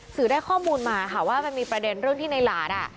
สื่อได้ข้อมูลมาค่ะว่ามีประเด็นเรื่องที่นายหลาย